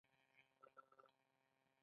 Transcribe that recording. لمریزې شیشې سترګې ساتي